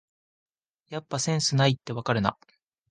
やっぱセンスないってわかるな